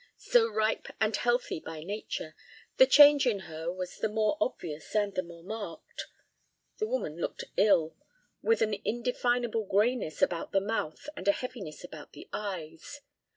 So ripe and healthy by nature, the change in her was the more obvious and the more marked. The woman looked ill, with an indefinable grayness about the mouth and a heaviness about the eyes.